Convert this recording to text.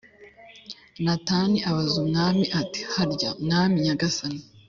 Natani abaza umwami ati “Harya, mwami nyagasani